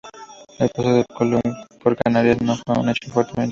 El paso de Colón por Canarias no fue un hecho fortuito.